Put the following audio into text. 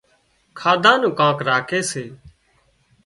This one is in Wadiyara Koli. کاڌا نُون ڪانڪ راکي سي